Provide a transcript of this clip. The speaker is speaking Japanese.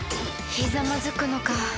ひざまずくのか